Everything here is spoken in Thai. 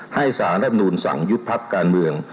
ให้สารรับนูลสั่งยุบพักการเมือง